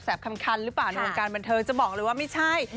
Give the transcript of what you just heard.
คำคันหรือเปล่าในวงการบันเทิงจะบอกเลยว่าไม่ใช่